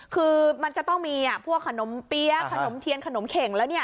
คือมันจะต้องมีพวกขนมเปี๊ยะขนมเทียนขนมเข่งแล้วเนี่ย